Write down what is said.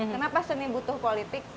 kenapa seni butuh politik